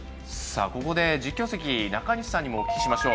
ここで実況席の中西さんにもお聞きしましょう。